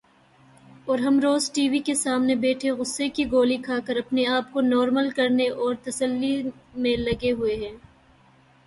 اور ہم روز ٹی وی کے سامنے بیٹھے غصے کی گولی کھا کر اپنے آپ کو نارمل کرنے اور تسلی میں لگے ہوئے ہیں ۔